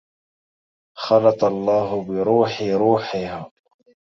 خلط الله بروحي روحها